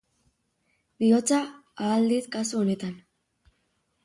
Bihotza ahal dit kasu honetan.